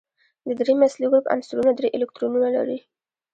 د دریم اصلي ګروپ عنصرونه درې الکترونونه لري.